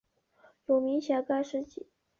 有明显的干湿季。